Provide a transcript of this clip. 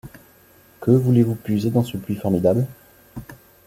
Que voulez-vous puiser dans ce puits formidable ?